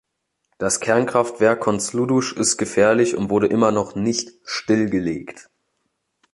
Das Kernkraftwerk Kosluduj ist gefährlich und wurde immer noch nicht stillgelegt.